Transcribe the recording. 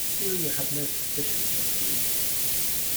Celia had no suspicions of Helene.